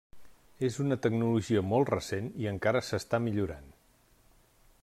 És una tecnologia molt recent i encara s'està millorant.